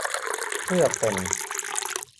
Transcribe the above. เพื่อเป็น